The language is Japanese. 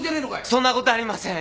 そんなことありません！